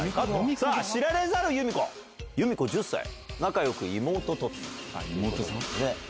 さあ、知られざる由美子、由美子１０歳、仲よく妹と。